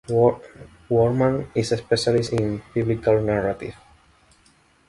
Borgman is a specialist in biblical narrative.